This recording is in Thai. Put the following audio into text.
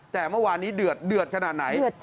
แต่เมื่อวานนี้เดือดขนาดไหน